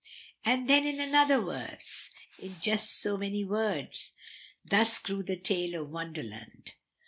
And then in another verse in just so many words, 'Thus grew the tale of Wonderland.'